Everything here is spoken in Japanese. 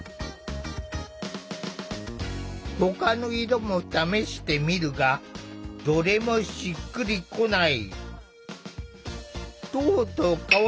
ほかの色も試してみるがどれもしっくりこない。